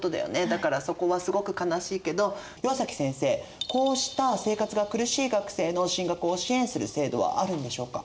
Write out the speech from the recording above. だからそこはすごく悲しいけど岩崎先生こうした生活が苦しい学生の進学を支援する制度はあるんでしょうか？